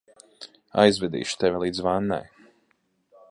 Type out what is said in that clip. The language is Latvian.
Aizvedīšu tevi līdz vannai.